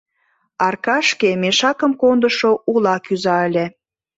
Аркашке мешакым кондышо ула кӱза ыле.